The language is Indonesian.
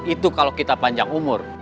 itu kalau kita panjang umur